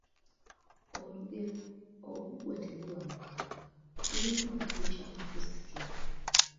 Olugero ‘Oguggwa teguba muka’ lulimu makulu ki amakusike?